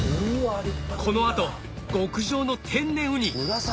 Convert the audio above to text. この後極上の天然ウニ！